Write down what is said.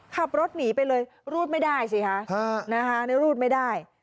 ขับรถหนีไปเลยรูดไม่ได้สิคะนะคะรูดไม่ได้